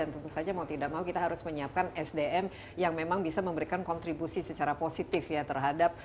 tentu saja mau tidak mau kita harus menyiapkan sdm yang memang bisa memberikan kontribusi secara positif ya terhadap